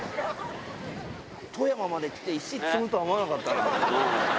富山まで来て、石積むとは思わなかったな。